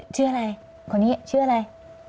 ชื่ออะไรคนนี้ชื่ออะไร